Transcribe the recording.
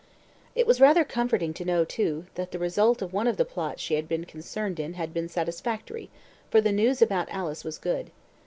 It was rather comforting to know, too, that the result of one of the plots she had been concerned in had been satisfactory, for the news about Alice was good.